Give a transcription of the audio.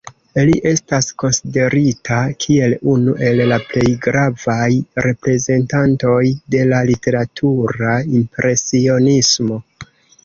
Li estas konsiderita kiel unu el la plej gravaj reprezentantoj de la literatura impresionismo.